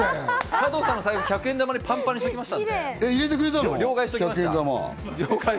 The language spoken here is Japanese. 加藤さんの財布を１００円玉でパンパンにしておきました。